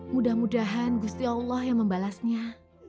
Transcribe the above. mudah mudahan gusti allah yang membalasnya